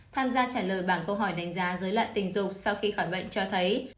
tham gia trả lời bảng câu hỏi đánh giá dối loạn tình dục sau khi khỏi bệnh cho thấy